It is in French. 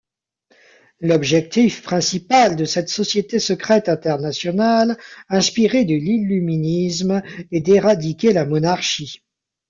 L'objectif principal de cette société secrète internationale, inspirée de l'illuminisme, est d'éradiquer la monarchie.